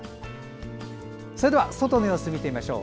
それでは外の様子を見ていきましょう。